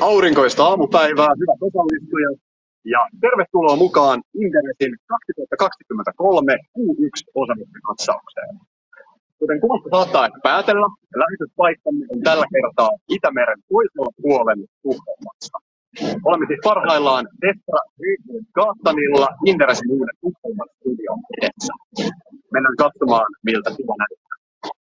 Aurinkoista aamupäivää hyvät osallistujat ja tervetuloa mukaan Inderesin 2023 Q1-osavuosikatsaukseen. Kuten kuulostaa ehkä päätellä, lähetyspaikkamme on tällä kertaa Itämeren toisella puolen Tukholmassa. Olemme siis parhaillaan Östra Riddargatan Inderesin uuden Tukholman studion edessä. Mennään katsomaan miltä siellä näyttää.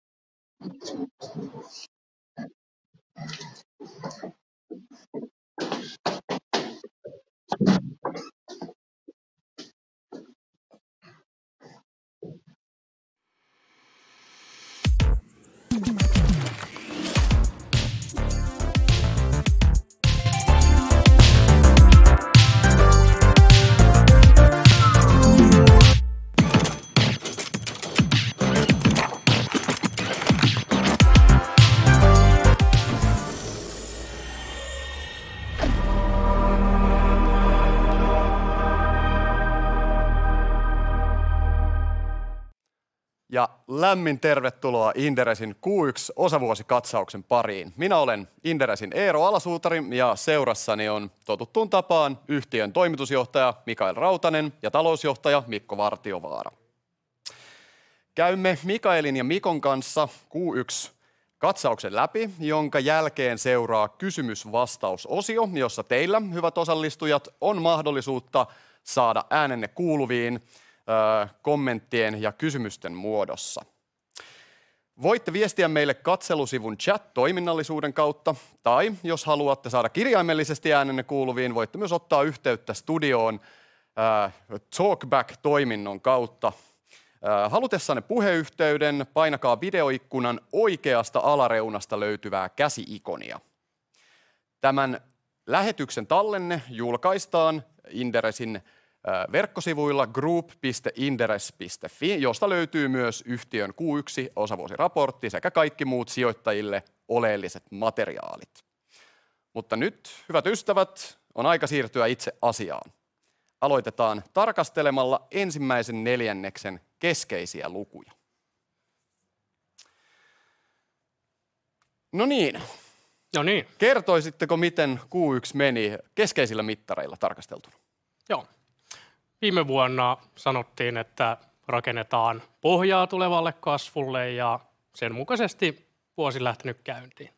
Lämmin tervetuloa Inderesin Q1-osavuosikatsauksen pariin. Minä olen Inderesin Eero Alasuutari ja seurassani on totuttuun tapaan yhtiön Toimitusjohtaja Mikael Rautanen ja Talousjohtaja Mikko Wartiovaara. Käymme Mikaelin ja Mikon kanssa Q1-katsauksen läpi, jonka jälkeen seuraa kysymys vastausosio, jossa teillä hyvät osallistujat, on mahdollisuutta saada äänenne kuuluviin kommenttien ja kysymysten muodossa. Voitte viestiä meille katselusivun chattoiminnallisuuden kautta tai jos haluatte saada kirjaimellisesti äänenne kuuluviin, voitte myös ottaa yhteyttä studioon Talkback-toiminnon kautta. Halutessanne puheyhteyden painakaa videoikkunan oikeasta alareunasta löytyvää käsi-ikonia. Tämän lähetyksen tallenne julkaistaan Inderesin verkkosivuilla group.inderes.fi, josta löytyy myös yhtiön Q1-osavuosiraportti sekä kaikki muut sijoittajille oleelliset materiaalit. Nyt hyvät ystävät, on aika siirtyä itse asiaan. Aloitetaan tarkastelemalla ensimmäisen neljänneksen keskeisiä lukuja. No niin. No niin. Kertoisitteko miten Q1 meni keskeisillä mittareilla tarkasteltuna? Viime vuonna sanottiin, että rakennetaan pohjaa tulevalle kasvulle ja sen mukaisesti vuosi lähtenyt käyntiin.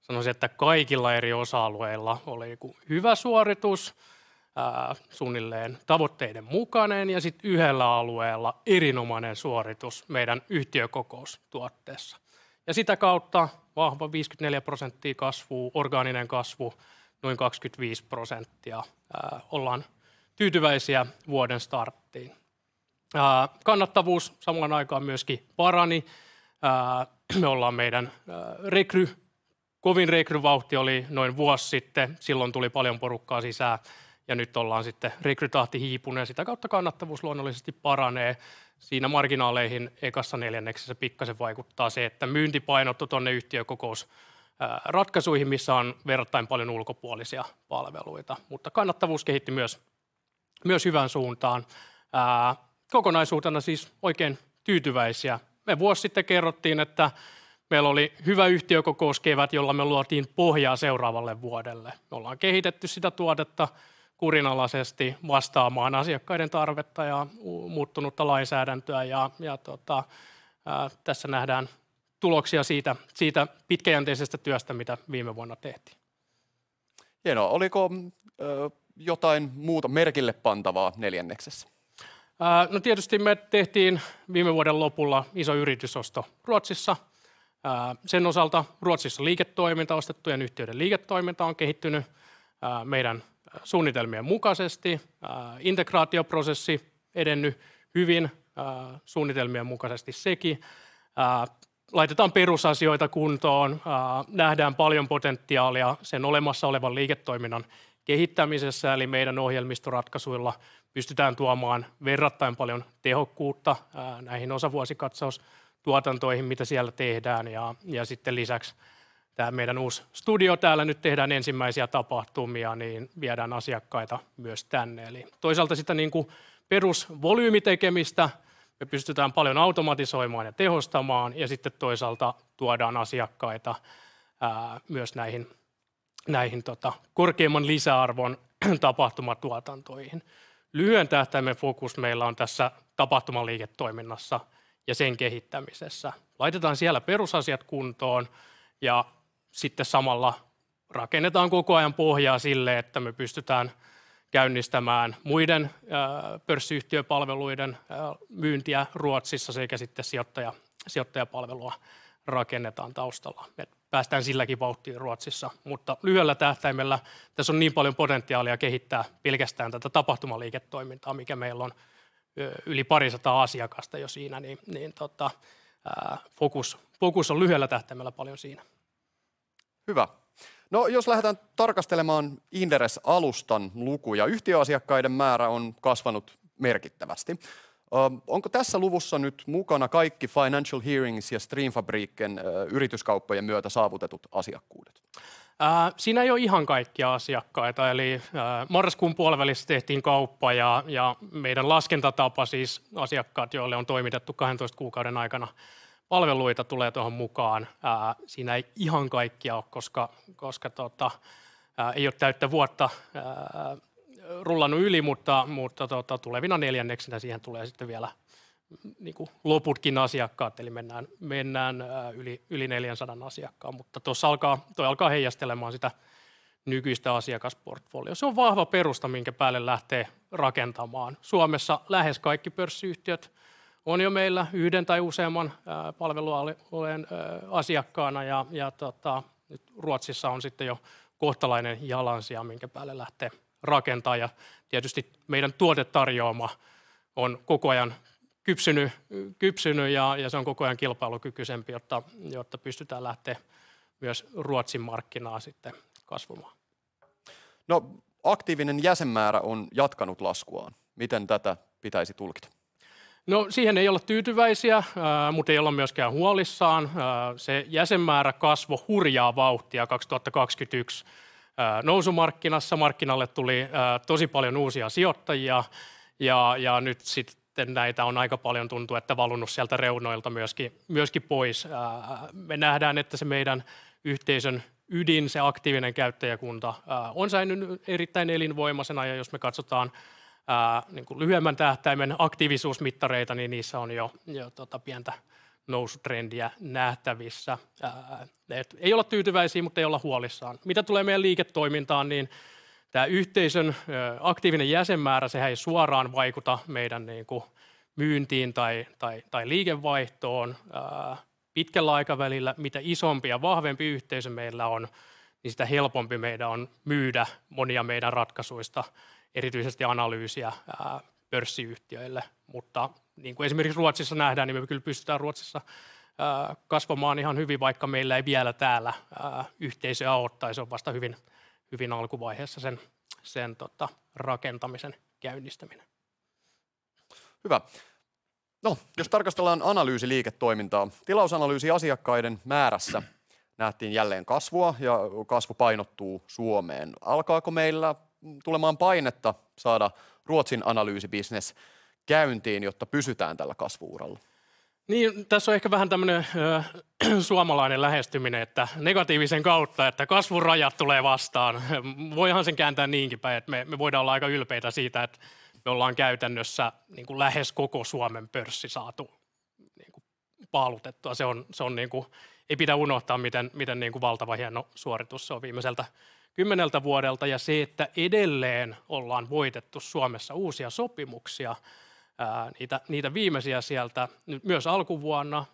Sanoisin, että kaikilla eri osa-alueilla oli joku hyvä suoritus suunnilleen tavoitteiden mukainen ja sitten yhdellä alueella erinomainen suoritus meidän yhtiökokoustuotteessa. Sitä kautta vahva 54% kasvua. Orgaaninen kasvu noin 25%. Ollaan tyytyväisiä vuoden starttiin. Kannattavuus samalla aikaa myös parani. Me ollaan meidän kovin rekryvauhti oli noin vuosi sitten. Silloin tuli paljon porukkaa sisään ja nyt ollaan sitten rekrytahti hiipunut ja sitä kautta kannattavuus luonnollisesti paranee. Siinä marginaaleihin Q1:ssä pikkasen vaikuttaa se, että myynti painottui tuonne yhtiökokousratkaisuihin, missä on verrattain paljon ulkopuolisia palveluita. Kannattavuus kehittyi myös hyvään suuntaan. Kokonaisuutena siis oikein tyytyväisiä. Me vuosi sitten kerrottiin, että meillä oli hyvä yhtiökokouskevät, jolla me luotiin pohjaa seuraavalle vuodelle. Me ollaan kehitetty sitä tuotetta kurinalaisesti vastaamaan asiakkaiden tarvetta ja muuttunutta lainsäädäntöä. Tässä nähdään tuloksia siitä pitkäjänteisestä työstä, mitä viime vuonna tehtiin. Hienoa! Oliko jotain muuta merkille pantavaa neljänneksessä? No tietysti me tehtiin viime vuoden lopulla iso yritysosto Ruotsissa. Sen osalta Ruotsissa liiketoiminta ostettujen yhtiöiden liiketoiminta on kehittynyt meidän suunnitelmien mukaisesti. Integraatioprosessi edenny hyvin, suunnitelmien mukaisesti seki. Laitetaan perusasioita kuntoon. Nähdään paljon potentiaalia sen olemassa olevan liiketoiminnan kehittämisessä. Eli meidän ohjelmistoratkaisuilla pystytään tuomaan verrattain paljon tehokkuutta näihin osavuosikatsaustuotantoihin mitä siellä tehdään. Sitten lisäksi tää meidän uus studio. Täällä nyt tehdään ensimmäisiä tapahtumia, niin viedään asiakkaita myös tänne. Eli toisaalta sitä niinku perusvolyymitekemistä me pystytään paljon automatisoimaan ja tehostamaan ja sitten toisaalta tuodaan asiakkaita myös näihin tota korkeamman lisäarvon tapahtumatuotantoihin. Lyhyen tähtäimen fokus meillä on tässä tapahtumaliiketoiminnassa ja sen kehittämisessä. Laitetaan siellä perusasiat kuntoon ja sitten samalla rakennetaan koko ajan pohjaa sille, että me pystytään käynnistämään muiden pörssiyhtiöpalveluiden myyntiä Ruotsissa sekä sitten sijoittajapalvelua rakennetaan taustalla. Me päästään silläkin vauhtiin Ruotsissa, lyhyellä tähtäimellä tässä on niin paljon potentiaalia kehittää pelkästään tätä tapahtumaliiketoimintaa, mikä meillä on yli 200 asiakasta jo siinä niin tota fokus on lyhyellä tähtäimellä paljon siinä. Hyvä. No jos lähdetään tarkastelemaan Inderes-alustan lukuja, yhtiöasiakkaiden määrä on kasvanut merkittävästi. Onko tässä luvussa nyt mukana kaikki Financial Hearings ja Streamfabriken yrityskauppojen myötä saavutetut asiakkuudet? Siinä ei oo ihan kaikkia asiakkaita. Marraskuun puolivälissä tehtiin kauppa ja meidän laskentatapa, siis asiakkaat, joille on toimitettu 12 kuukauden aikana palveluita, tulee tohon mukaan. Siinä ei ihan kaikkia oo, koska tota ei oo täyttä vuotta rullannu yli. Tulevina neljänneksinä siihen tulee sitten vielä niinku loputkin asiakkaat. Mennään yli 400 asiakkaan, mutta tossa toi alkaa heijastelemaan sitä nykyistä asiakasportfoliota. Se on vahva perusta, minkä päälle lähtee rakentamaan. Suomessa lähes kaikki pörssiyhtiöt on jo meillä yhden tai useamman palvelualueen asiakkaana ja tota nyt Ruotsissa on sitten jo kohtalainen jalansija, minkä päälle lähtee rakentaa. Tietysti meidän tuotetarjooma on koko ajan kypsyny ja se on koko ajan kilpailukykysempi, jotta pystytään lähtee myös Ruotsin markkinaan sitten kasvamaan. Aktiivinen jäsenmäärä on jatkanut laskuaan. Miten tätä pitäisi tulkita? Siihen ei olla tyytyväisiä, mut ei olla myöskään huolissaan. Se jäsenmäärä kasvo hurjaa vauhtia 2023 nousumarkkinassa. Markkinalle tuli tosi paljon uusia sijoittajia, ja nyt sitten näitä on aika paljon tuntuu, että valunu sieltä reunoilta myöski pois. Me nähdään, että se meidän yhteisön ydin, se aktiivinen käyttäjäkunta, on säilyny erittäin elinvoimaisena. Jos me katsotaan niinku lyhyemmän tähtäimen aktiivisuusmittareita, niin niissä on jo tota pientä nousutrendiä nähtävissä. Et ei olla tyytyväisii, mut ei olla huolissaan. Mitä tulee meidän liiketoimintaan, niin tää yhteisön aktiivinen jäsenmäärä, sehän ei suoraan vaikuta meidän niinku myyntiin tai liikevaihtoon pitkällä aikavälillä. Mitä isompi ja vahvempi yhteisö meillä on, niin sitä helpompi meidän on myydä monia meidän ratkaisuista, erityisesti analyysiä pörssiyhtiöille. niinku esimerkiks Ruotsissa nähdään, niin me kyl pystytään Ruotsissa kasvamaan ihan hyvin, vaikka meillä ei vielä täällä yhteisö oo tai se on vasta hyvin alkuvaiheessa sen tota rakentamisen käynnistäminen. Hyvä. Jos tarkastellaan analyysiliiketoimintaa, tilausanalyysiasiakkaiden määrässä nähtiin jälleen kasvua ja kasvu painottuu Suomeen. Alkaako meillä tulemaan painetta saada Ruotsin analyysibisnes käyntiin, jotta pysytään tällä kasvu-uralla? Tässä on ehkä vähän tämmönen suomalainen lähestyminen, että negatiivisen kautta, että kasvurajat tulee vastaan. Voihan sen kääntää niinkin päin, et me voidaan olla aika ylpeitä siitä, et me ollaan käytännössä niinku lähes koko Suomen pörssi saatu niinku paalutettua. Se on niinku, ei pidä unohtaa miten niinku valtavan hieno suoritus se on viimeiseltä 10 vuodelta ja se, että edelleen ollaan voitettu Suomessa uusia sopimuksia. Niitä viimeisiä sieltä nyt myös alkuvuonna.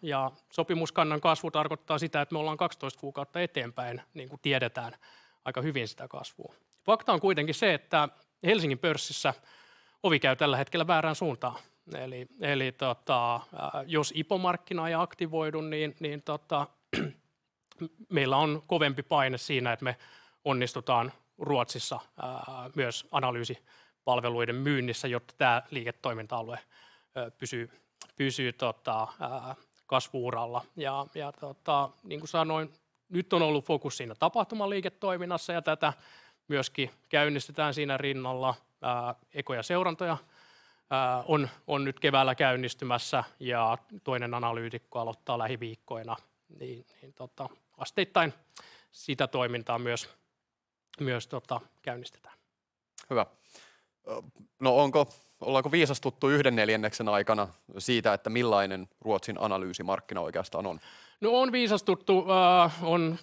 Sopimuskannan kasvu tarkoittaa sitä, et me ollaan 12 kuukautta eteenpäin. Niinku tiedetään aika hyvin sitä kasvuu. Fakta on kuitenkin se, että Helsingin pörssissä ovi käy tällä hetkellä väärään suuntaan. Eli tota jos IPO-markkina ei aktivoidu, niin tota meillä on kovempi paine siinä, et me onnistutaan Ruotsissa myös analyysipalveluiden myynnissä, jotta tää liiketoiminta-alue pysyy tota kasvu-uralla. Niinku sanoin, nyt on ollu fokus siinä tapahtumaliiketoiminnassa ja tätä myöski käynnistetään siinä rinnalla. Ekoja seurantoja on nyt keväällä käynnistymässä ja toinen analyytikko aloittaa lähiviikkoina. Asteittain sitä toimintaa myös tota käynnistetään. Hyvä. Ollaanko viisastuttu yhden neljänneksen aikana siitä, että millainen Ruotsin analyysimarkkina oikeastaan on? On viisastuttu. Oon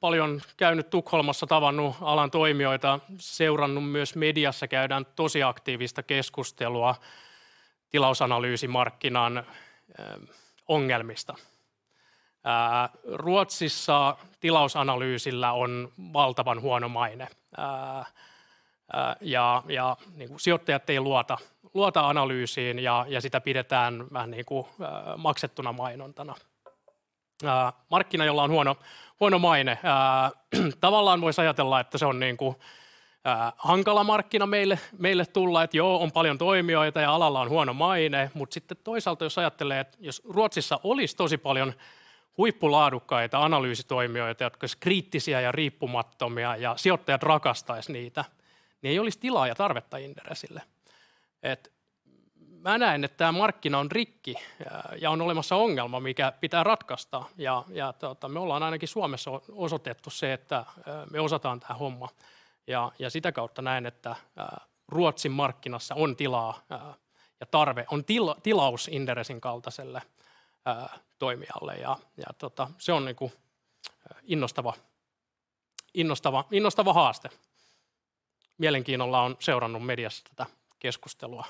paljon käynyt Tukholmassa, tavannut alan toimijoita, seurannut myös mediassa käydään tosi aktiivista keskustelua tilausanalyysimarkkinan ongelmista. Ruotsissa tilausanalyysillä on valtavan huono maine, ja niinku sijoittajat ei luota analyysiin ja sitä pidetään vähän niinku maksettuna mainontana. Markkina, jolla on huono maine. Tavallaan vois ajatella, että se on niinku hankala markkina meille tulla. Joo, on paljon toimijoita ja alalla on huono maine, mut sitten toisaalta jos ajattelee, et jos Ruotsissa olis tosi paljon huippulaadukkaita analyysitoimijoita, jotka ois kriittisiä ja riippumattomia ja sijoittajat rakastais niitä, niin ei olis tilaa ja tarvetta Inderesille. Mä näen, et tää markkina on rikki ja on olemassa ongelma, mikä pitää ratkasta. Tota me ollaan ainakin Suomessa osotettu se, että me osataan tää homma. Sitä kautta näen, että Ruotsin markkinassa on tilaa ja tarve, on tilaus Inderesin kaltaiselle toimijalle. Se on niinku innostava haaste. Mielenkiinnolla oon seurannu mediassa tätä keskustelua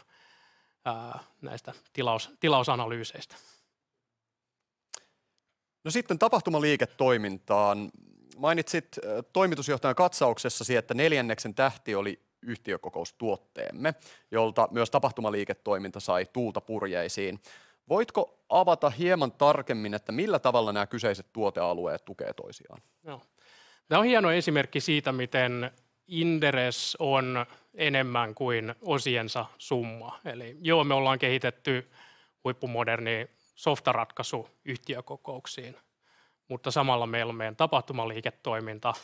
näistä tilaus-tilausanalyyseistä. Tapahtumaliiketoimintaan. Mainitsit toimitusjohtajakatsauksessa siihen, että neljänneksen tähti oli yhtiökokoustuotteemme, jolta myös tapahtumaliiketoiminta sai tuulta purjeisiin. Voitko avata hieman tarkemmin, että millä tavalla nää kyseiset tuotealueet tukee toisiaan? Joo. Tää on hieno esimerkki siitä, miten Inderes on enemmän kuin osiensa summa. joo, me ollaan kehitetty huippumoderni softaratkaisu yhtiökokouksiin, mutta samalla meillä on meidän tapahtumaliiketoiminta,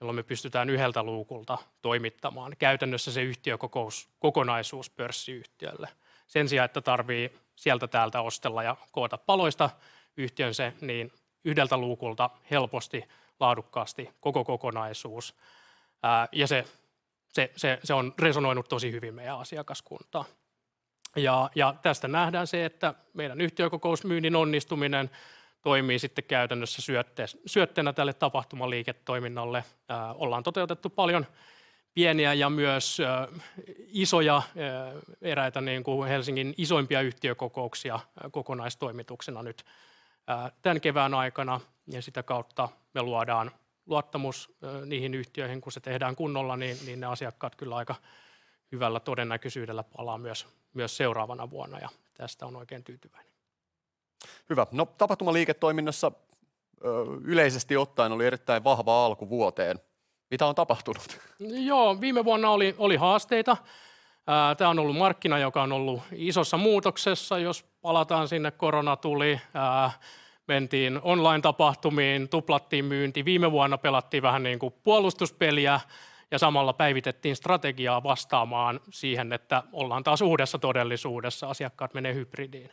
jolloin me pystytään yhdeltä luukulta toimittamaan käytännössä se yhtiökokouskokonaisuus pörssiyhtiölle sen sijaan, että tarvii sieltä täältä ostella ja koota paloista yhtiön se niin yhdeltä luukulta helposti laadukkaasti koko kokonaisuus. se on resonoinut tosi hyvin meidän asiakaskuntaan. Tästä nähdään se, että meidän yhtiökokousmyynnin onnistuminen toimii sitten käytännössä syötteenä tälle tapahtumaliiketoiminnalle. Ollaan toteutettu paljon pieniä ja myös isoja eräitä niin kuin Helsingin isoimpia yhtiökokouksia kokonaistoimituksena nyt tän kevään aikana ja sitä kautta me luodaan luottamus niihin yhtiöihin. Kun se tehdään kunnolla, niin ne asiakkaat kyllä aika hyvällä todennäköisyydellä palaa myös seuraavana vuonna ja tästä on oikein tyytyväinen. Hyvä! tapahtumaliiketoiminnassa yleisesti ottaen oli erittäin vahva alku vuoteen. Mitä on tapahtunut? Viime vuonna oli haasteita. Tää on ollut markkina, joka on ollut isossa muutoksessa. Jos palataan sinne, korona tuli, mentiin online-tapahtumiin, tuplattiin myynti. Viime vuonna pelattiin vähän niin kuin puolustuspeliä ja samalla päivitettiin strategiaa vastaamaan siihen, että ollaan taas uudessa todellisuudessa. Asiakkaat menee hybridiin.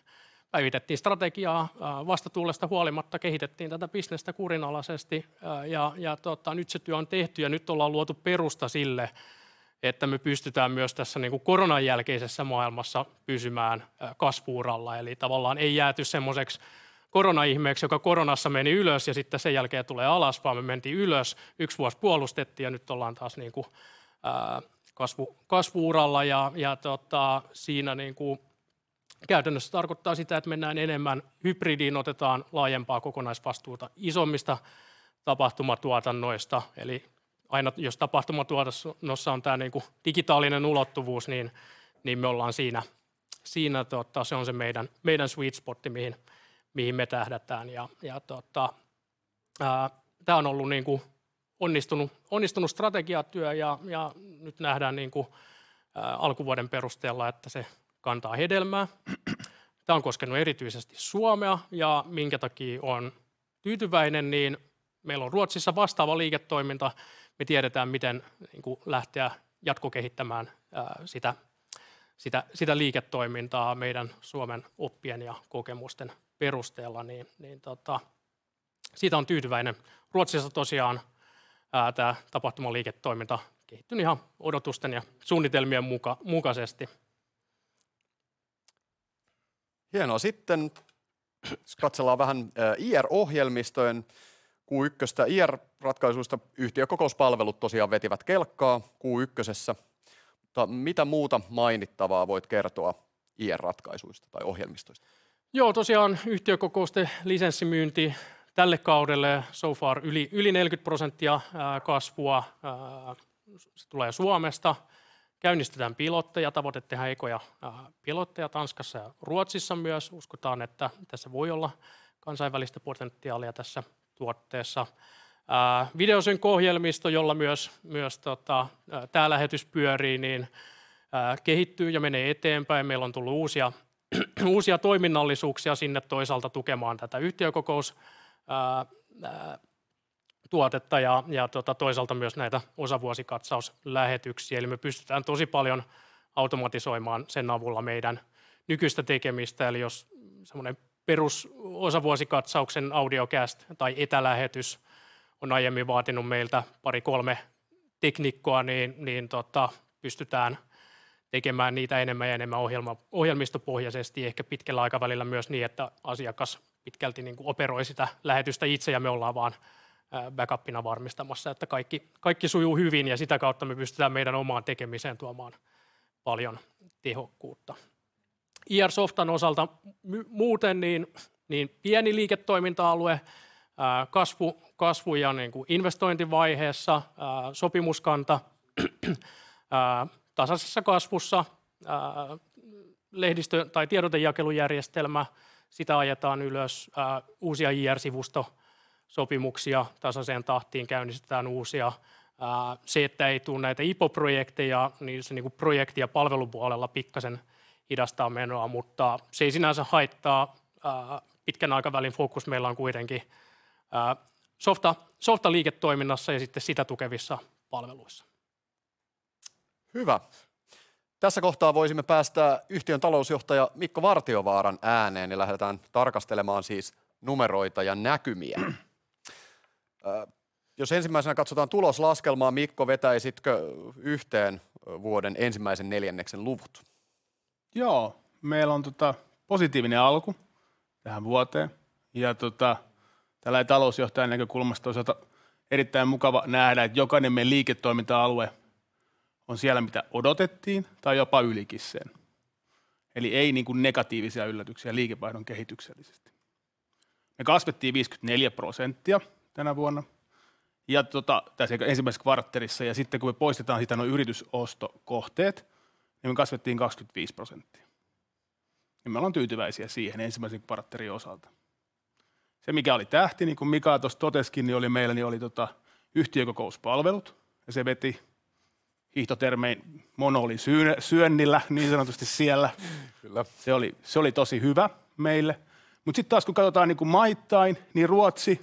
Päivitettiin strategiaa. Vastatuulesta huolimatta kehitettiin tätä bisnestä kurinalaisesti ja tota nyt se työ on tehty ja nyt ollaan luotu perusta sille, että me pystytään myös tässä niinku koronan jälkeisessä maailmassa pysymään kasvu-uralla. Eli tavallaan ei jääty semmoiseksi korona-ihmeeksi, joka koronassa meni ylös ja sitten sen jälkeen tulee alas. Vaan me mentiin ylös, 1 vuosi puolustettiin ja nyt ollaan taas niinku kasvu-uralla ja tota siinä niinku käytännössä tarkoittaa sitä, että mennään enemmän hybridiin, otetaan laajempaa kokonaisvastuuta isommista tapahtumatuotannoista. Eli aina jos tapahtumatuotannossa on tää niinku digitaalinen ulottuvuus, niin me ollaan siinä. Siinä tota se on se meidän meidän sweet spot mihin mihin me tähdätään ja tota. Tää on ollut niinku onnistunut strategiatyö ja nyt nähdään niinku alkuvuoden perusteella, että se kantaa hedelmää. Tää on koskenut erityisesti Suomea. Minkä takii oon tyytyväinen, niin meillä on Ruotsissa vastaava liiketoiminta. Me tiedetään miten niinku lähteä jatkokehittämään sitä liiketoimintaa meidän Suomen oppien ja kokemusten perusteella. Tota siitä oon tyytyväinen. Ruotsissa tosiaan tää tapahtumaliiketoiminta kehittynyt ihan odotusten ja suunnitelmien mukaisesti. Hienoa. Sitten jos katsellaan vähän IR-ohjelmistojen Qykköstä IR-ratkaisuista. Yhtiökokouspalvelut tosiaan vetivät kelkkaa Qykkösessä, mutta mitä muuta mainittavaa voit kertoa IR-ratkaisuista tai ohjelmistoista? Tosiaan yhtiökokousten lisenssimyynti tälle kaudelle so far yli 40% kasvua. Se tulee Suomesta. Käynnistetään pilotteja. Tavoite tehdä ekoja pilotteja Tanskassa ja Ruotsissa myös. Uskotaan, että tässä voi olla kansainvälistä potentiaalia tässä tuotteessa. Videosync ohjelmisto, jolla myös tota tää lähetys pyörii niin kehittyy ja menee eteenpäin. Meillä on tullut uusia toiminnallisuuksia sinne toisaalta tukemaan tätä yhtiökokous tuotetta ja tota toisaalta myös näitä osavuosikatsauslähetyksiä. Me pystytään tosi paljon automatisoimaan sen avulla meidän nykyistä tekemistä. Jos semmonen perus osavuosikatsauksen audiocast tai etälähetys on aiemmin vaatinut meiltä 2-3 teknikkoa, niin tota pystytään tekemään niitä enemmän ja enemmän ohjelmistopohjaisesti. Ehkä pitkällä aikavälillä myös niin, että asiakas pitkälti niinku operoi sitä lähetystä itse ja me ollaan vaan backupina varmistamassa, että kaikki sujuu hyvin ja sitä kautta me pystytään meidän omaan tekemiseen tuomaan paljon tehokkuutta. IR-softan osalta muuten niin niin pieni liiketoiminta-alue. Kasvu- ja niinku investointivaiheessa. Sopimuskanta tasaisessa kasvussa. Lehdistö tai tiedotejakelujärjestelmä. Sitä ajetaan ylös. Uusia IR-sivustosopimuksia tasaiseen tahtiin käynnistetään uusia. Se, että ei tuu näitä IPO-projekteja, niin se niinku projekti- ja palvelupuolella pikkasen hidastaa menoa, mutta se ei sinänsä haittaa. Pitkän aikavälin fokus meillä on kuitenkin softaliiketoiminnassa ja sitten sitä tukevissa palveluissa. Hyvä. Tässä kohtaa voisimme päästää yhtiön Talousjohtaja Mikko Wartiovaaran ääneen ja lähdetään tarkastelemaan siis numeroita ja näkymiä. Ensimmäisenä katsotaan tuloslaskelmaa, Mikko, vetäisitkö yhteen vuoden ensimmäisen neljänneksen luvut? Joo, meillä on positiivinen alku tähän vuoteen ja tällai talousjohtajan näkökulmasta osalta erittäin mukava nähdä, että jokainen meidän liiketoiminta-alue on siellä mitä odotettiin tai jopa ylikin sen. Eli ei niinku negatiivisia yllätyksiä liikevaihdon kehityksellisesti. Me kasvettiin 54% tänä vuonna ja tässä ensimmäisessä kvartterissa. Ja sitten kun me poistetaan siitä noi yritysostokohteet, niin me kasvettiin 25%. Me ollaan tyytyväisiä siihen ensimmäisen kvartterin osalta. Se mikä oli tähti niin kuin Mika tuossa toteskin, niin oli meillä niin oli yhtiökokouspalvelut ja se veti hiihtotermein monolin syy-syönnillä niin sanotusti siellä. Kyllä. Se oli tosi hyvä meille. Sitten taas kun katsotaan niin kuin maittain, niin Ruotsi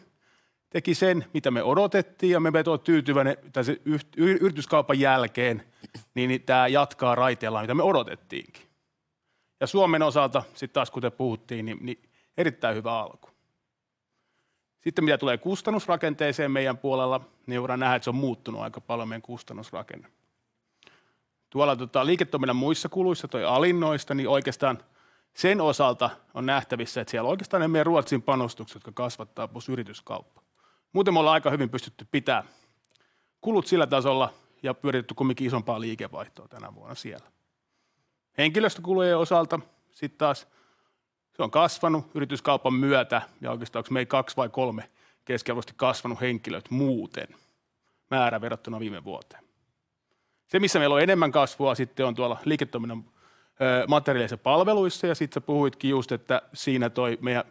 teki sen, mitä me odotettiin ja me veto tyytyväinen. Tai se yrityskaupan jälkeen, niin tämä jatkaa raiteillaan mitä me odotettiinkin. Suomen osalta sitten taas kuten puhuttiin niin erittäin hyvä alku. Mitä tulee kustannusrakenteeseen meidän puolella, niin voidaan nähdä, että se on muuttunut aika paljon meidän kustannusrakenne. Tuolla liiketoiminnan muissa kuluissa tuo alin noista, niin oikeastaan sen osalta on nähtävissä, että siellä oikeastaan ne meidän Ruotsin panostukset, jotka kasvattaa plus yrityskauppa. Muuten me olemme aika hyvin pystytty pitämään kulut sillä tasolla ja pyöritetty kumminkin isompaa liikevaihtoa tänä vuonna siellä. Henkilöstökulujen osalta sitten taas se on kasvanut yrityskaupan myötä ja oikeastaan me emme 2 vai 3 keskiverrosti kasvanut henkilöt muuten määrä verrattuna viime vuoteen. Se missä meillä on enemmän kasvua sitten on tuolla liiketoiminnan materiaaleissa ja palveluissa. Siitä sä puhuitkin just, että siinä toi meidän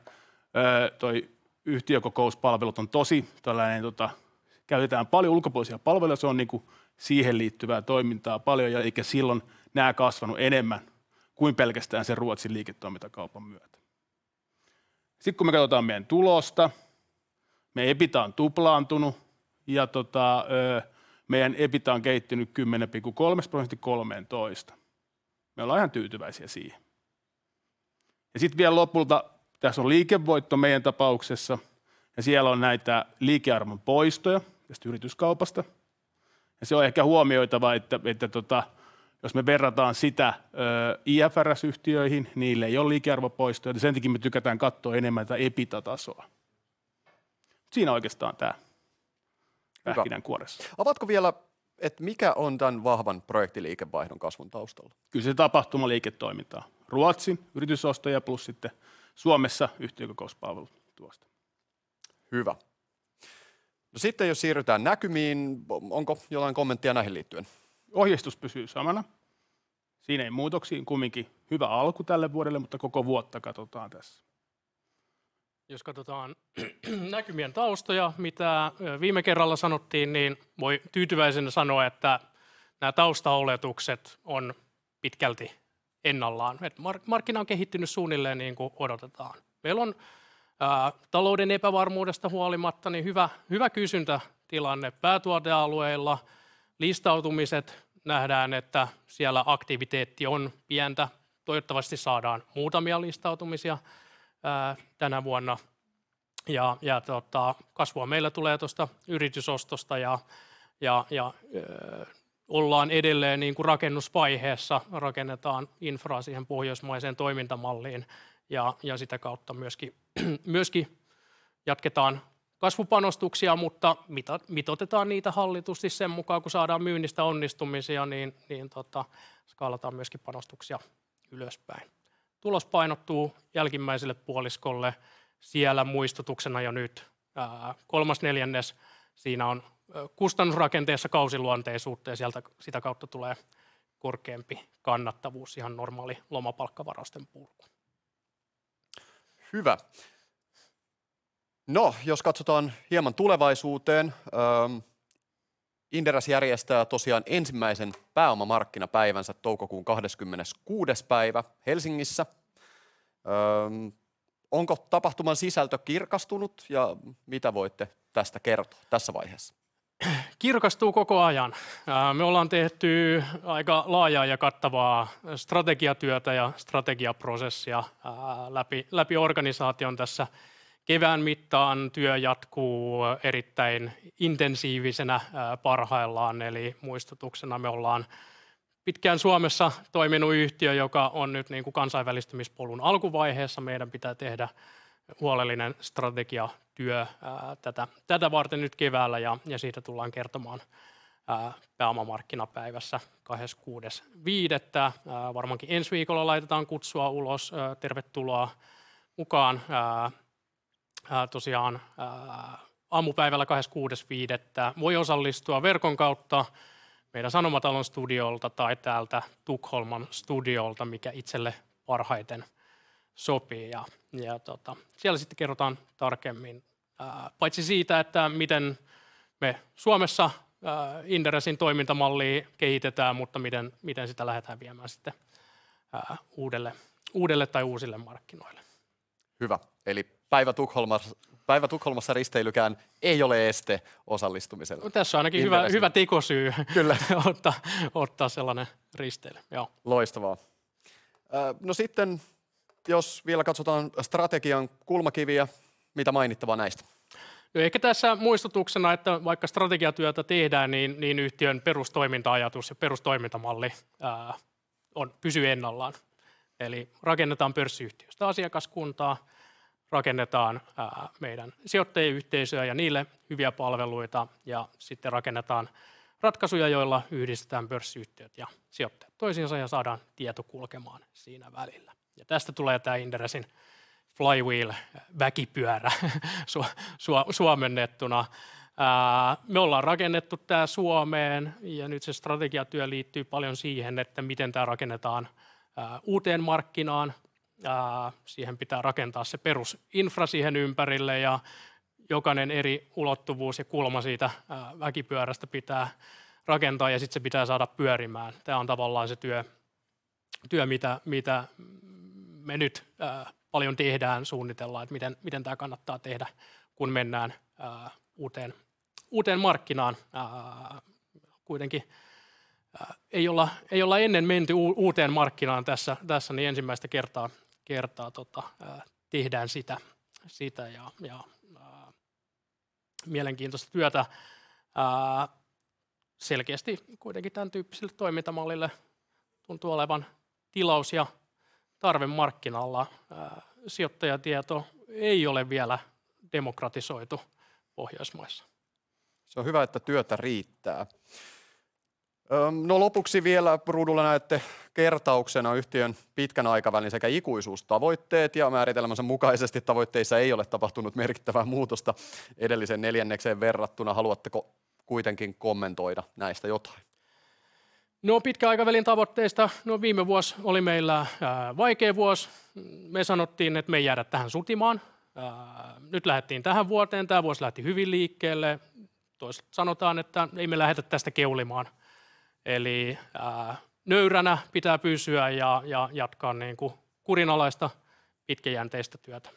yhtiökokouspalvelut on tosi tällainen käytetään paljon ulkopuolisia palveluja. Se on niinku siihen liittyvää toimintaa paljon ja eikä silloin nää kasvanut enemmän kuin pelkästään sen Ruotsin liiketoimintakaupan myötä. Kun me katotaan meidän tulosta, meidän EBITDA on tuplaantunut ja meidän EBITDA on kehittynyt 10.3 prosentista 13%. Me ollaan ihan tyytyväisiä siihen. Sitten vielä lopulta tässä on liikevoitto meidän tapauksessa ja siellä on näitä liikearvon poistoja tästä yrityskaupasta. Se on ehkä huomioitava, että jos me verrataan sitä IFRS-yhtiöihin, niillä ei ole liikearvopoistoja, niin sen takia me tykätään katsoa enemmän tätä EBITDA-tasoa. Siinä oikeastaan tää pähkinänkuoressa. Avaatko vielä, et mikä on tän vahvan projektiliikevaihdon kasvun taustalla? Kyllä se tapahtumaliiketoiminta on Ruotsin yritysostoja plus sitten Suomessa yhtiökokouspalvelut tuosta. Hyvä. Sitten jos siirrytään näkymiin. Onko jotain kommenttia näihin liittyen? Ohjeistus pysyy samana. Siinä ei muutoksia. Hyvä alku tälle vuodelle, mutta koko vuotta katsotaan tässä. Jos katotaan näkymien taustoja, mitä viime kerralla sanottiin, niin voi tyytyväisenä sanoa, että nää taustaoletukset on pitkälti ennallaan. Markkina on kehittynyt suunnilleen niin kuin odotetaan. Meillä on talouden epävarmuudesta huolimatta niin hyvä kysyntätilanne päätuotealueilla. Listautumiset nähdään, että siellä aktiviteetti on pientä. Toivottavasti saadaan muutamia listautumisia tänä vuonna. Kasvua meillä tulee tuosta yritysostosta ja ollaan edelleen niinku rakennusvaiheessa rakennetaan infraa siihen pohjoismaiseen toimintamalliin. Sitä kautta myöskin myöski jatketaan kasvupanostuksia, mutta mitotetaan niitä hallitusti sen mukaan, kun saadaan myynnistä onnistumisia, niin tota skaalataan myöskin panostuksia ylöspäin. Tulos painottuu jälkimmäiselle puoliskolle. Siellä muistutuksena jo nyt kolmas neljännes. Siinä on kustannusrakenteessa kausiluonteisuutta ja sieltä sitä kautta tulee korkeampi kannattavuus. Ihan normaali lomapalkkavarasten purku. Hyvä. Jos katsotaan hieman tulevaisuuteen. Inderes järjestää tosiaan ensimmäisen pääomamarkkinapäivänsä toukokuun kahdeskymmeneskuudes päivä Helsingissä. Onko tapahtuman sisältö kirkastunut ja mitä voitte tästä kertoa tässä vaiheessa? Kirkastuu koko ajan. Me ollaan tehty aika laajaa ja kattavaa strategiatyötä ja strategiaprosessia läpi organisaation tässä kevään mittaan. Työ jatkuu erittäin intensiivisenä parhaillaan. Muistutuksena me ollaan pitkään Suomessa toiminut yhtiö, joka on nyt niinku kansainvälistymispolun alkuvaiheessa. Meidän pitää tehdä huolellinen strategiatyö tätä varten nyt keväällä ja siitä tullaan kertomaan pääomamarkkinapäivässä 26th of May. Varmaankin ensi viikolla laitetaan kutsua ulos. Tervetuloa mukaan. Tosiaan aamupäivällä 26th of May voi osallistua verkon kautta meidän Sanomatalon studiolta tai täältä Tukholman studiolta, mikä itselle parhaiten sopii. Siellä sitten kerrotaan tarkemmin paitsi siitä, että miten me Suomessa Inderesin toimintamallia kehitetään, mutta miten sitä lähdetään viemään sitten uudelle tai uusille markkinoille. Hyvä! päivä Tukholmassa risteilykään ei ole este osallistumiselle. Tässä on ainakin hyvä. Kyllä. Ottaa sellainen risteily. Joo. Loistavaa. Sitten jos vielä katsotaan strategian kulmakiviä, mitä mainittavaa näistä? No ehkä tässä muistutuksena, että vaikka strategiatyötä tehdään, niin yhtiön perustoiminta-ajatus ja perustoimintamalli on pysyy ennallaan. Rakennetaan pörssiyhtiöistä asiakaskuntaa, rakennetaan meidän sijoittajayhteisöä ja niille hyviä palveluita ja sitten rakennetaan ratkaisuja, joilla yhdistetään pörssiyhtiöt ja sijoittajat toisiinsa ja saadaan tieto kulkemaan siinä välillä. Tästä tulee tää Inderesin Flywheel väkipyörä suomennettuna. Me ollaan rakennettu tää Suomeen ja nyt se strategiatyö liittyy paljon siihen, että miten tää rakennetaan uuteen markkinaan. Siihen pitää rakentaa se perusinfra siihen ympärille ja jokanen eri ulottuvuus ja kulma siitä väkipyörästä pitää rakentaa ja sit se pitää saada pyörimään. Tää on tavallaan se työ mitä me nyt paljon tehdään. Suunnitellaan, et miten tää kannattaa tehdä kun mennään uuteen markkinaan. kuitenkin ei olla ennen menty uuteen markkinaan tässä niin ensimmäistä kertaa tehdään sitä ja mielenkiintosta työtä. selkeästi kuitenkin tän tyyppiselle toimintamallille tuntuu olevan tilaus ja tarve markkinalla. sijoittajatieto ei ole vielä demokratisoitu Pohjoismaissa. Se on hyvä, että työtä riittää. Lopuksi vielä ruudulla näette kertauksena yhtiön pitkän aikavälin sekä ikuisuustavoitteet. Määritelmänsä mukaisesti tavoitteissa ei ole tapahtunut merkittävää muutosta edelliseen neljännekseen verrattuna. Haluatteko kuitenkin kommentoida näistä jotain? Pitkän aikavälin tavoitteista. Viime vuos oli meillä vaikee vuos. Me sanottiin, et me ei jäädä tähän sutimaan. Nyt lähdettiin tähän vuoteen. Tää vuos lähti hyvin liikkeelle. Toisin sanotaan, että ei me lähetä tästä keulimaan. Nöyränä pitää pysyä ja jatkaa niinku kurinalaista pitkäjänteistä työtä.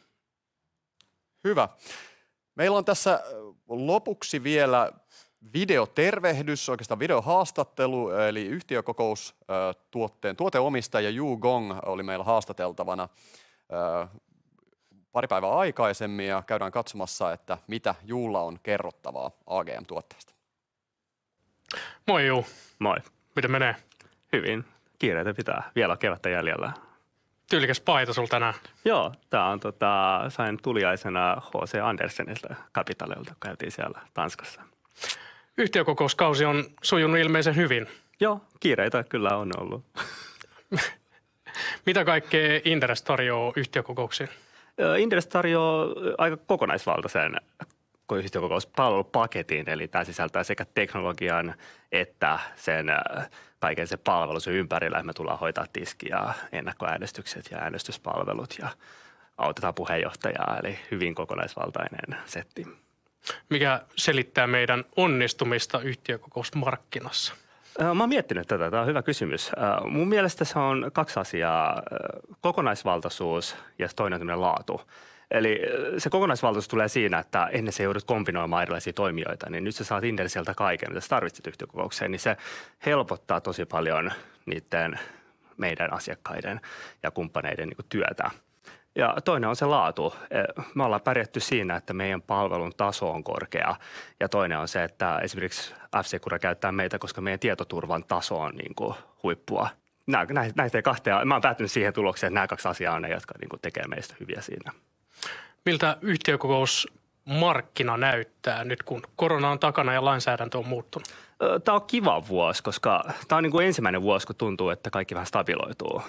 Hyvä! Meillä on tässä lopuksi vielä videotervehdys. Oikeastaan videohaastattelu eli yhtiökokoustuotteen tuoteomistaja Yu Gong oli meillä haastateltavana pari päivää aikaisemmin ja käydään katsomassa, että mitä Yulla on kerrottavaa AGM-tuotteesta. Moi Yu! Moi! Miten menee? Hyvin. Kiireitä pitää. Vielä on kevättä jäljellä. Tyylikäs paita sul tänään. Joo, tää on. Sain tuliaisena HC Andersen Capital, kun käytiin siellä Tanskassa. Yhtiökokouskausi on sujunut ilmeisen hyvin. Joo, kiireitä kyllä on ollut. Mitä kaikkea Inderes tarjoaa yhtiökokouksiin? Inderes tarjoaa aika kokonaisvaltasen yhtiökokouspalvelupaketin, eli tää sisältää sekä teknologian että sen kaiken sen palvelun sen ympärillä. Me tullaan hoitamaan tiski ja ennakkoäänestykset ja äänestyspalvelut ja autetaan puheenjohtajaa. Hyvin kokonaisvaltainen setti. Mikä selittää meidän onnistumista yhtiökokousmarkkinassa? Mä oon miettiny tätä. Tää on hyvä kysymys. Mun mielestä se on kaks asiaa. Kokonaisvaltasuus ja se toinen on semmonen laatu. Se kokonaisvaltasuus tulee siinä, että ennen sä joudut kombinoimaan erilaisii toimijoita, niin nyt sä saat Inderesiltä kaiken, mitä sä tarvitset yhtiökokoukseen, niin se helpottaa tosi paljon niitten meidän asiakkaiden ja kumppaneiden niinku työtä. Toinen on se laatu. Me ollaan pärjätty siinä, että meidän palvelun taso on korkea. Toinen on se, että esimerkiks F-Secure käyttää meitä, koska meidän tietoturvan taso on niinku huippua. Näistä kahta mä oon päätyny siihen tulokseen, et nää kaksi asiaa on ne, jotka niinku tekee meistä hyviä siinä. Miltä yhtiökokousmarkkina näyttää nyt kun korona on takana ja lainsäädäntö on muuttunut? Tää on kiva vuos, koska tää on niinku ensimmäinen vuos, kun tuntuu, että kaikki vähän stabiloituu.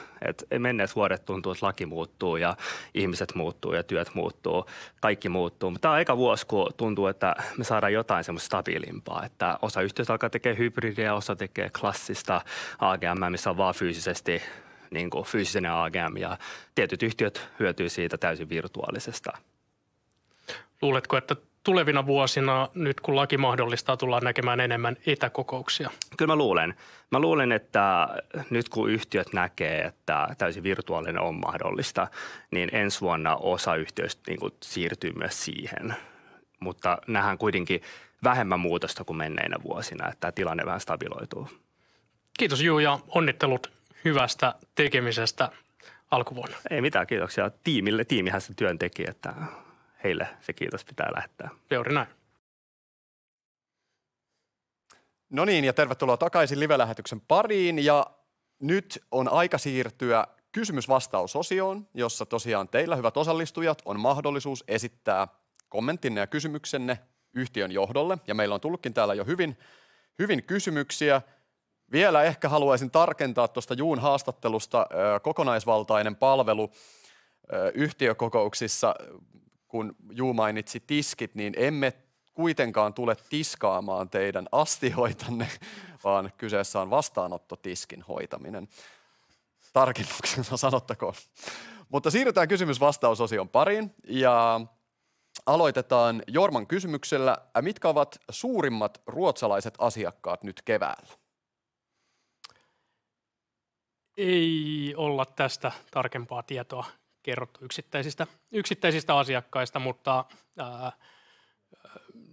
Menneet vuodet tuntu, et laki muuttuu ja ihmiset muuttuu ja työt muuttuu, kaikki muuttuu. Tää on eka vuos ku tuntuu, että me saadaan jotain semmost stabiilimpaa, että osa yhtiöistä alkaa tekee hybridiä, osa tekee klassista AGM:ää, missä on vaan fyysisesti niinku fyysinen AGM ja tietyt yhtiöt hyötyy siitä täysin virtuaalisesta. Luuletko, että tulevina vuosina, nyt kun laki mahdollistaa, tullaan näkemään enemmän etäkokouksia? Kyl mä luulen. Mä luulen, että nyt kun yhtiöt näkee, että täysin virtuaalinen on mahdollista, niin ens vuonna osa yhtiöist niinku siirtyy myös siihen. Nähään kuitenkin vähemmän muutosta kun menneinä vuosina, että tää tilanne vähän stabiloituu. Kiitos Yu ja onnittelut hyvästä tekemisestä alkuvuonna. Ei mitään, kiitoksia tiimille. Tiimihän sen työn teki, että heille se kiitos pitää lähettää. Juuri näin. Tervetuloa takaisin livelähetyksen pariin ja nyt on aika siirtyä kysymys vastaus -osioon, jossa tosiaan teillä hyvät osallistujat, on mahdollisuus esittää kommenttinne ja kysymyksenne yhtiön johdolle ja meillä on tullukin täällä jo hyvin kysymyksiä. Vielä ehkä haluaisin tarkentaa tosta Yun haastattelusta. Kokonaisvaltainen palvelu yhtiökokouksissa. Kun Yu mainitsi tiskit, niin emme kuitenkaan tule tiskaamaan teidän astioitanne, vaan kyseessä on vastaanottotiskin hoitaminen. Tarkennuksena sanottakoon. Siirrytään kysymys vastaus -osion pariin ja aloitetaan Jorman kysymyksellä. Mitkä ovat suurimmat ruotsalaiset asiakkaat nyt keväällä? Ei olla tästä tarkempaa tietoa kerrottu yksittäisistä asiakkaista, mutta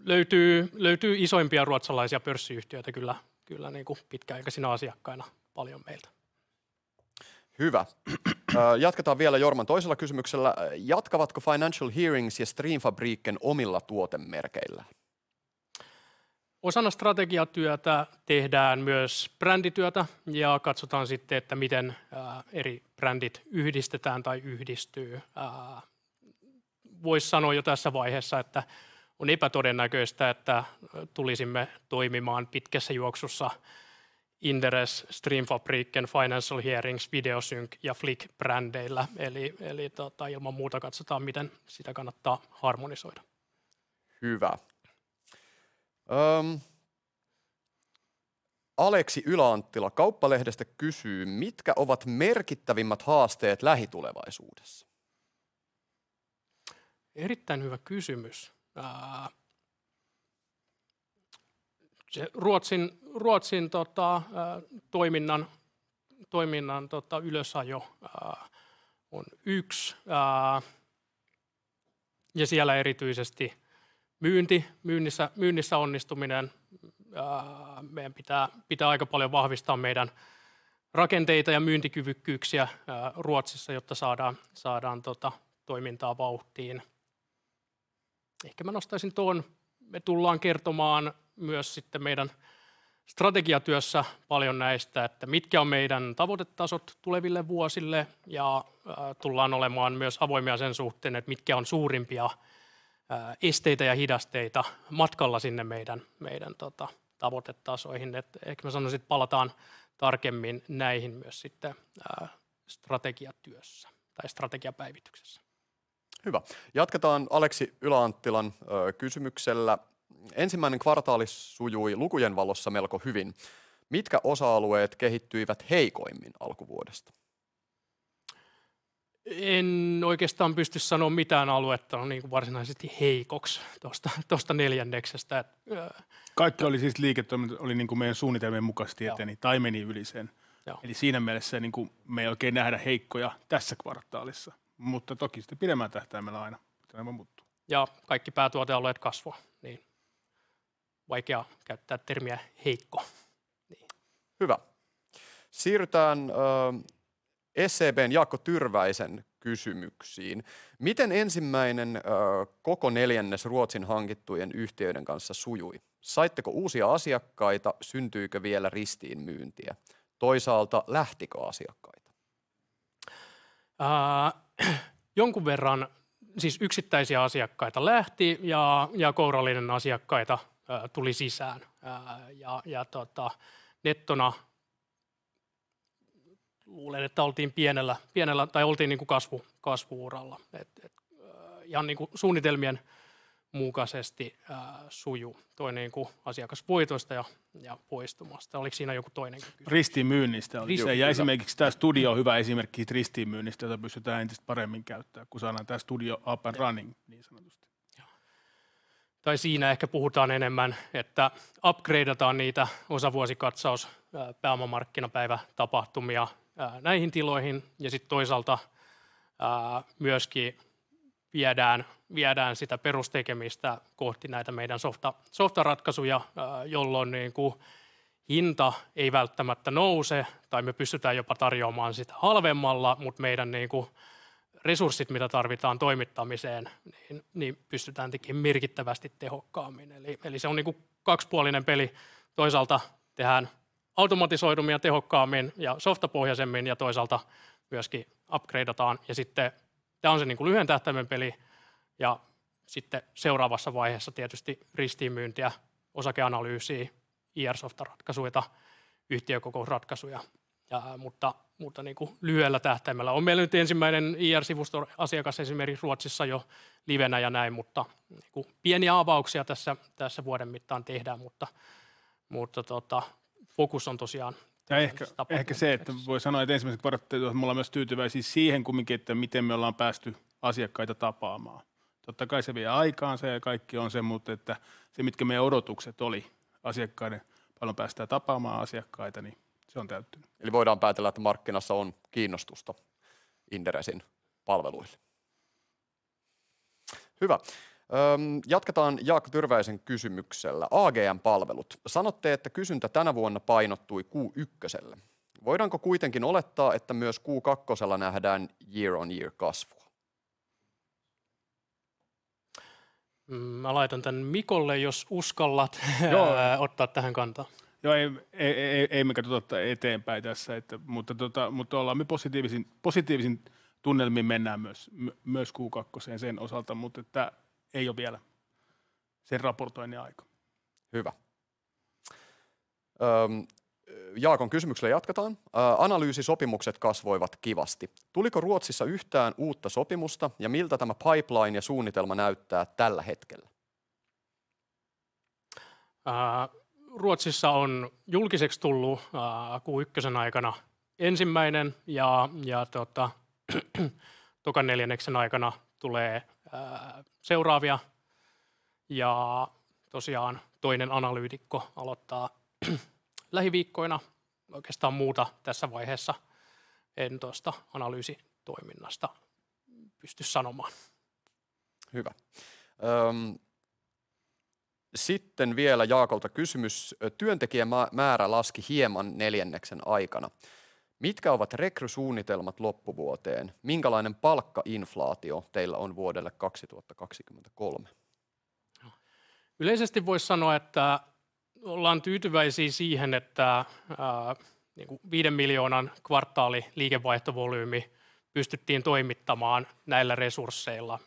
löytyy. Löytyy isoimpia ruotsalaisia pörssiyhtiöitä kyllä niinku pitkäaikaisina asiakkaina paljon meiltä. Hyvä. Jatketaan vielä Jorman toisella kysymyksellä. Jatkavatko Financial Hearings ja Streamfabriken omilla tuotemerkeillä? Osana strategiatyötä tehdään myös brändityötä ja katsotaan sitten, että miten eri brändit yhdistetään tai yhdistyy. Voisi sanoa jo tässä vaiheessa, että on epätodennäköistä, että tulisimme toimimaan pitkässä juoksussa Inderes, Streamfabriken, Financial Hearings, Videosync ja Flik -brändeillä. Ilman muuta katsotaan miten sitä kannattaa harmonisoida. Hyvä. Aleksi Ylä-Anttila Kauppalehdestä kysyy, mitkä ovat merkittävimmät haasteet lähitulevaisuudessa? Erittäin hyvä kysymys. Se Ruotsin tota toiminnan tota ylösajo on yksi. Ja siellä erityisesti myynnissä onnistuminen. Meidän pitää aika paljon vahvistaa meidän rakenteita ja myyntikyvykkyyksiä Ruotsissa, jotta saadaan tota toimintaa vauhtiin. Ehkä mä nostaisin tuon. Me tullaan kertomaan myös sitten meidän strategiatyössä paljon näistä, että mitkä on meidän tavoitetasot tuleville vuosille. Ja tullaan olemaan myös avoimia sen suhteen, et mitkä on suurimpia esteitä ja hidasteita matkalla sinne meidän tota tavoitetasoihin. Ehkä mä sanosin, et palataan tarkemmin näihin myös sitten strategiatyössä tai strategiapäivityksessä. Hyvä, jatketaan Aleksi Ylä-Anttilan kysymyksellä. Ensimmäinen kvartaali sujui lukujen valossa melko hyvin. Mitkä osa-alueet kehittyivät heikoimmin alkuvuodesta? En oikeastaan pysty sanoon mitään aluetta niinku varsinaisesti heikoksi tosta neljänneksestä, et. Kaikki oli siis niinku meidän suunnitelmien mukaisesti eteni tai meni yli sen. Siinä mielessä niinku me ei oikein nähdä heikkoja tässä kvartaalissa. Toki sitten pidemmällä tähtäimellä aina tämä muuttuu. Kaikki päätuotealueet kasvoi, niin vaikea käyttää termiä heikko. Niin. Hyvä. Siirrytään SEB:n Jaakko Tyrväisen kysymyksiin. Miten ensimmäinen koko neljännes Ruotsin hankittujen yhtiöiden kanssa sujui? Saitteko uusia asiakkaita? Syntyikö vielä ristiinmyyntiä? Lähtikö asiakkaita? Jonkun verran siis yksittäisiä asiakkaita lähti ja kourallinen asiakkaita tuli sisään ja tota nettona. Luulen, että oltiin pienellä, tai oltiin niinku kasvu-uralla, että ihan niinku suunnitelmien mukaisesti suju toi niinku asiakaspoitoista ja poistumasta. Oliks siinä joku toinenkin kysymys? Ristimyynnistä oli se. Esimerkiksi tää studio on hyvä esimerkki siit ristiinmyynnistä, jota pystytään entistä paremmin käyttää, kun saadaan tää studio up and running niin sanotusti. Joo. Tai siinä ehkä puhutaan enemmän, että upgreidataan niitä osavuosikatsaus pääomamarkkinapäivätapahtumia näihin tiloihin ja sit toisaalta myöskin viedään sitä perustekemistä kohti näitä meidän softaratkaisuja, jolloin niinku hinta ei välttämättä nouse tai me pystytään jopa tarjoamaan sitä halvemmalla, mut meidän niinku resurssit mitä tarvitaan toimittamiseen, niin pystytään tekeen merkittävästi tehokkaammin. Eli se on niinku kakspuolinen peli. Toisaalta tehään automatisoidummin ja tehokkaammin ja softapohjaisemmin ja toisaalta myöskin upgreidataan. Sitten tää on se niinku lyhyen tähtäimen peli. Sitten seuraavassa vaiheessa tietysti ristiinmyyntiä, osakeanalyysii, IR-softaratkaisuita, yhtiökokousratkaisuja. Mutta niinku lyhyellä tähtäimellä. On meillä nyt ensimmäinen IR-sivustoasiakas esimerkiksi Ruotsissa jo livenä ja näin, mutta niinku pieniä avauksia tässä vuoden mittaan tehdään. Mutta tota fokus on tosiaan... Ehkä se, että voi sanoa, että first quarter me ollaan myös tyytyväisiä siihen kumminkin, että miten me ollaan päästy asiakkaita tapaamaan. Totta kai se vie aikaansa ja kaikki on se. Paljon päästään tapaamaan asiakkaita, niin se on täyttynyt. Voidaan päätellä, että markkinassa on kiinnostusta Inderesin palveluille. Hyvä. Jatketaan Jaakko Tyrväisen kysymyksellä. AGM-palvelut. Sanotte, että kysyntä tänä vuonna painottui Q ykköselle. Voidaanko kuitenkin olettaa, että myös Q kakkosella nähdään year-on-year -kasvua? Mä laitan tän Mikolle, jos uskallat ottaa tähän kantaa. Joo ei, ei, ei mekään oteta eteenpäin tässä. Ollaan me positiivisin tunnelmin mennään myös Q2 sen osalta. Ei oo vielä sen raportoinnin aika. Hyvä. Jaakon kysymyksellä jatketaan. Analyysisopimukset kasvoivat kivasti. Tuliko Ruotsissa yhtään uutta sopimusta ja miltä tämä pipeline ja suunnitelma näyttää tällä hetkellä? Ruotsissa on julkiseks tullu Q1 aikana ensimmäinen ja Q2 aikana tulee seuraavia. Tosiaan toinen analyytikko aloittaa lähiviikkoina. Oikeastaan muuta tässä vaiheessa en tuosta analyysitoiminnasta pysty sanomaan. Hyvä. Sitten vielä Jaakolta kysymys. Työntekijämäärä laski hieman neljänneksen aikana. Mitkä ovat rekrysuunnitelmat loppuvuoteen? Minkälainen palkkainflaatio teillä on vuodelle 2023? Yleisesti vois sanoa, että ollaan tyytyväisiä siihen, että niinku EUR 5 million kvartaaliliikevaihtovolyymi pystyttiin toimittamaan näillä resursseilla.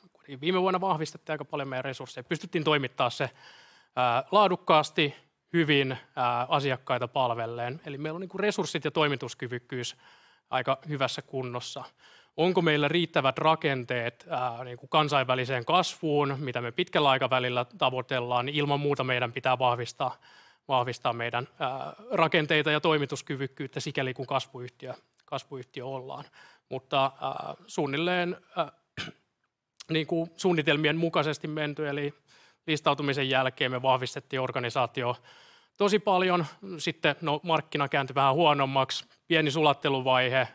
Viime vuonna vahvistettiin aika paljon meidän resursseja. Pystyttiin toimittaa se laadukkaasti, hyvin asiakkaita palvellen. Eli meillä on niinku resurssit ja toimituskyvykkyys aika hyvässä kunnossa. Onko meillä riittävät rakenteet niinku kansainväliseen kasvuun, mitä me pitkällä aikavälillä tavoitellaan, niin ilman muuta meidän pitää vahvistaa meidän rakenteita ja toimituskyvykkyyttä sikäli kun kasvuyhtiö ollaan. Suunnilleen niinku suunnitelmien mukaisesti menty eli listautumisen jälkeen me vahvistettiin organisaatiota tosi paljon. Sitten markkina käänty vähän huonommaksi. Pieni sulatteluvaihe,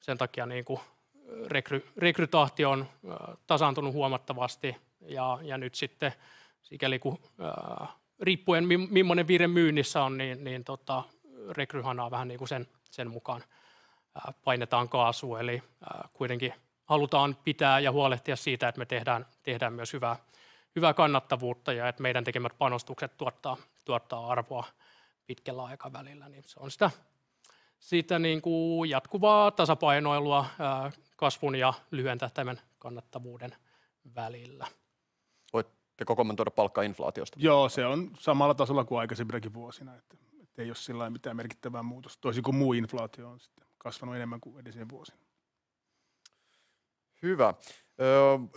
sen takia niinku rekrytahti on tasaantunut huomattavasti. Nyt sitten sikäli ku riippuen mimmonen vire myynnissä on, niin rekryhanaan vähän niinku sen mukaan painetaan kaasua. kuitenkin halutaan pitää ja huolehtia siitä, et me tehdään myös hyvää kannattavuutta ja et meidän tekemät panostukset tuottaa arvoa pitkällä aikavälillä, niin se on sitä niinku jatkuvaa tasapainoilua, kasvun ja lyhyen tähtäimen kannattavuuden välillä. Voitko kommentoida palkka inflaatiosta? Se on samalla tasolla ku aikaisempinakin vuosina, ei oo sillai mitään merkittävää muutosta. Toisin kuin muu inflaatio on sitte kasvanu enemmän ku edellisinä vuosina. Hyvä.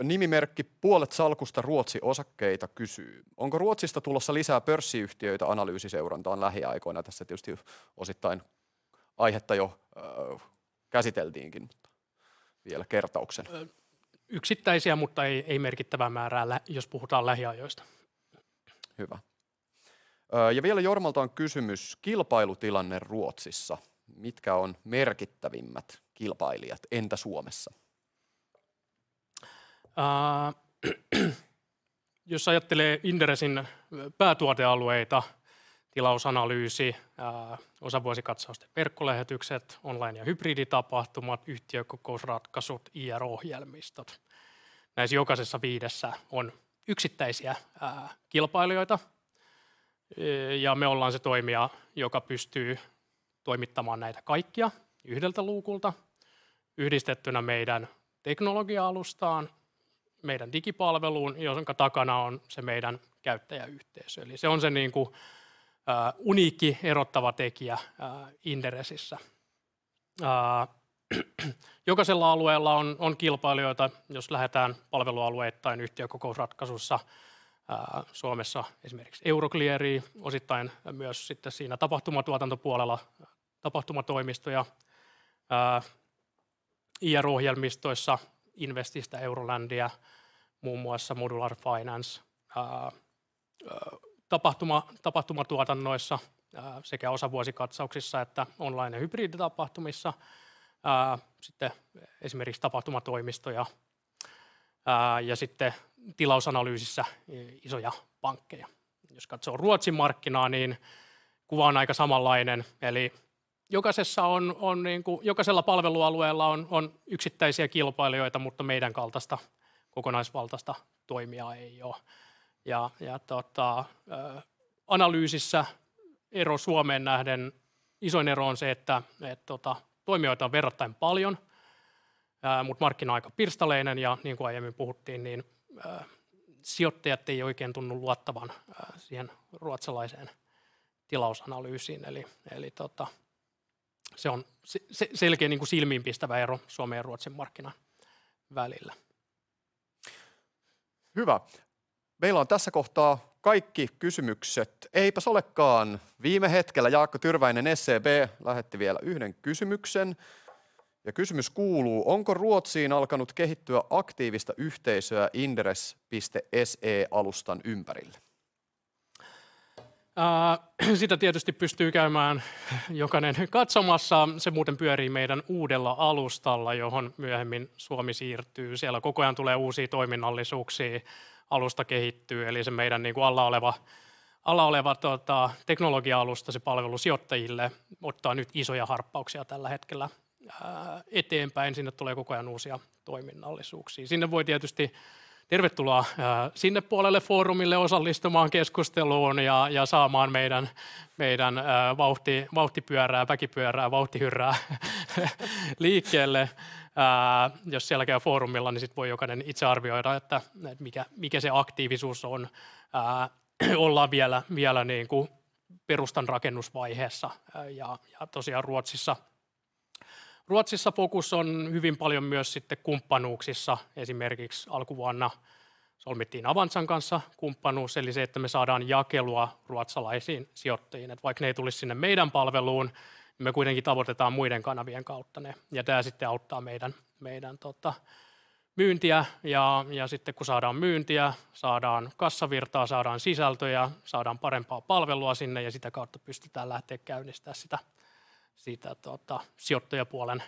Nimimerkki Puolet salkusta Ruotsi-osakkeita kysyy: onko Ruotsista tulossa lisää pörssiyhtiöitä analyysiseurantaan lähiaikoina? Tässä tietysti osittain aihetta jo käsiteltiin, mutta vielä kertauksen. Yksittäisiä, mutta ei merkittävää määrää jos puhutaan lähiajoista. Hyvä. Vielä Jormalta on kysymys: kilpailutilanne Ruotsissa. Mitkä on merkittävimmät kilpailijat? Entä Suomessa? Jos ajattelee Inderesin päätuotealueita, tilausanalyysi, osavuosikatsausten verkkolähetykset, online- ja hybriditapahtumat, yhtiökokousratkaisut, IR-ohjelmistot. Näissä jokaisessa viidessä on yksittäisiä kilpailijoita. Me ollaan se toimija, joka pystyy toimittamaan näitä kaikkia yhdeltä luukulta yhdistettynä meidän teknologia-alustaan, meidän digipalveluun, jonka takana on se meidän käyttäjäyhteisö. Se on se niinku uniikki erottava tekijä Inderesissä. Jokaisella alueella on kilpailijoita. Jos lähdetään palvelualueittain, yhtiökokousratkaisussa, Suomessa esimerkiksi Euroclear, osittain myös sitten siinä tapahtumatuotantopuolella tapahtumatoimistoja. IR-ohjelmistoissa Investis Euroland, muun muassa Modular Finance. Tapahtumatuotannoissa, sekä osavuosikatsauksissa että online- ja hybriditapahtumissa. Sitten esimerkiksi tapahtumatoimistoja. Sitten tilausanalyysissä isoja pankkeja. Jos katsoo Ruotsin markkinaa, niin kuva on aika samanlainen. Jokaisessa on niinku jokaisella palvelualueella on yksittäisiä kilpailijoita, mutta meidän kaltaista kokonaisvaltaista toimijaa ei oo. Tota, analyysissä ero Suomeen nähden isoin ero on se, että, tota, toimijoita on verrattain paljon, mut markkina on aika pirstaleinen. Niin ku aiemmin puhuttiin, niin, sijoittajat ei oikein tunnu luottavan, siihen ruotsalaiseen tilausanalyysiin. Eli tota, se on selkee niinku silmiinpistävä ero Suomen ja Ruotsin markkinan välillä. Hyvä! Meillä on tässä kohtaa kaikki kysymykset. Eipäs olekaan. Viime hetkellä Jaakko Tyrväinen, SEB, lähetti vielä yhden kysymyksen, ja kysymys kuuluu: onko Ruotsiin alkanut kehittyä aktiivista yhteisöä Inderes.se-alustan ympärille? Sitä tietysti pystyy käymään jokainen katsomassa. Se muuten pyörii meidän uudella alustalla, johon myöhemmin Suomi siirtyy. Siellä koko ajan tulee uusia toiminnallisuuksia. Alusta kehittyy eli se meidän niin kuin alla oleva teknologia-alusta, se palvelu sijoittajille ottaa nyt isoja harppauksia tällä hetkellä eteenpäin. Sinne tulee koko ajan uusia toiminnallisuuksia. Sinne voi tietysti. Tervetuloa sinne puolelle foorumille osallistumaan keskusteluun ja saamaan meidän vauhtipyörää, väkipyörää, vauhtihyrrää liikkeelle. Jos siellä käy foorumilla, niin sitten voi jokainen itse arvioida, että mikä se aktiivisuus on. Ollaan vielä niin kuin perustanrakennusvaiheessa. Tosiaan Ruotsissa fokus on hyvin paljon myös sitten kumppanuuksissa. Esimerkiksi alkuvuonna solmittiin Avanza kanssa kumppanuus, eli se, että me saadaan jakelua ruotsalaisiin sijoittajiin. Vaikka ne ei tulisi sinne meidän palveluun, me kuitenkin tavoitetaan muiden kanavien kautta ne, ja tää sitten auttaa meidän myyntiä. Sitte ku saadaan myyntiä, saadaan kassavirtaa, saadaan sisältöjä, saadaan parempaa palvelua sinne ja sitä kautta pystytään lähtee käynnistää sitä sijoittajapuolen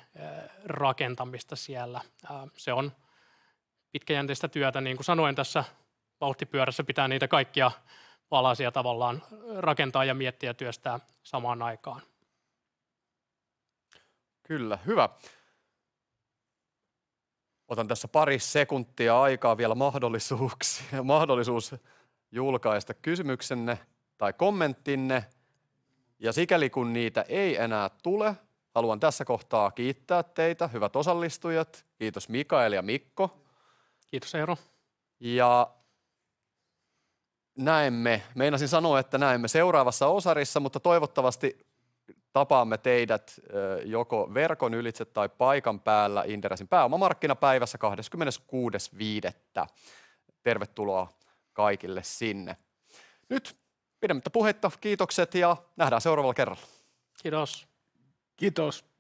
rakentamista siellä. Se on pitkäjänteistä työtä. Niin ku sanoin, tässä Vauhtipyörässä pitää niitä kaikkia palasia tavallaan rakentaa ja miettiä työstää samaan aikaan. Kyllä. Hyvä. Otan tässä 2 sekuntia aikaa vielä mahdollisuuksiin mahdollisuus julkaista kysymyksenne tai kommenttinne. Sikäli kun niitä ei enää tule, haluan tässä kohtaa kiittää teitä, hyvät osallistujat. Kiitos Mikael ja Mikko. Kiitos Eero. Näemme, meinasin sanoa, että näemme seuraavassa osarissa, mutta toivottavasti tapaamme teidät, joko verkon ylitse tai paikan päällä Inderesin pääomamarkkinapäivässä kahdeskymmenes kuudes viidettä. Tervetuloa kaikille sinne. Nyt pidemmittä puheitta kiitokset ja nähdään seuraavalla kerralla. Kiitos. Kiitos!